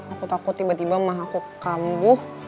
aku takut tiba tiba mah aku kambuh